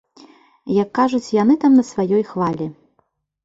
Як кажуць яны там на сваёй хвалі.